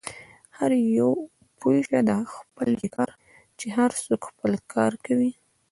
هر یو پوه شه، خپل يې کار، چې هر څوک خپل کار کوي.